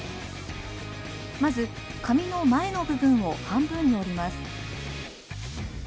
まず紙の前の部分を半分に折ります。